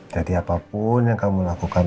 jadi apapun yang kamu lakukan